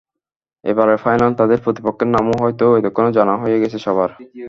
এবারের ফাইনালে তাদের প্রতিপক্ষের নামও হয়তো এতক্ষণে জানা হয়ে গেছে সবার।